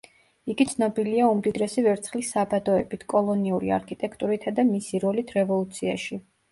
იგი ცნობილია უმდიდრესი ვერცხლის საბადოებით, კოლონიური არქიტექტურითა და მისი როლით რევოლუციაში.